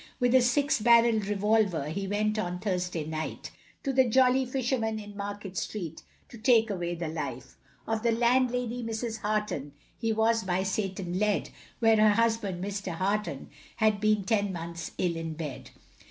With a six barrelled revolver, He went on Thursday night, To the Jolly Fisherman, in Market st., To take away the life Of the landlady, Mrs. Harton, He was by Satan led Where her husband, Mr. Harton, Had been ten months ill in bed.